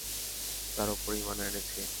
তার উপর ঈমান এনেছি।